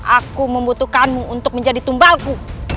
aku membutuhkanmu untuk menjadi tumbalku